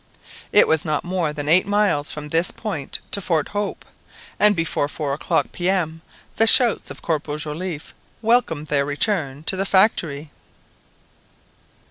It was not more than eight miles from this point to Fort Hope, and before four o'clock P.M the shouts of Corporal Joliffe welcomed their return to the factory.